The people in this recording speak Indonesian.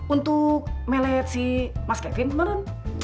untuk melet si mas kevin